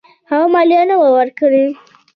هغه مالیه نه وه ورکړې.